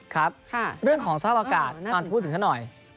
ครับเรื่องของสภาพอากาศตอนพูดถึงซะหน่อย